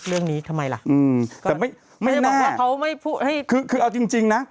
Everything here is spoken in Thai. เรื่องนี้ทำไมล่ะอืมแต่ไม่แน่คือเอาจริงนะ